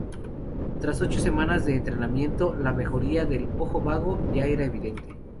Tras ocho semanas de entrenamiento, la mejoría del 'ojo vago' ya era evidente.